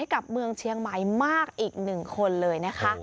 กับเมืองเชียงใหม่มากอีกหนึ่งคนเลยนะคะ